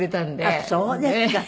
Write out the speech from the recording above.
あっそうですか。